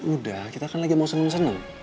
udah kita kan lagi mau seneng seneng